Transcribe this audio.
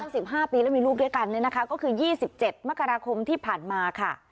สิบห้าปีแล้วมีลูกด้วยกันเลยนะคะก็คือยี่สิบเจ็ดมกรคมที่ผ่านมาค่ะ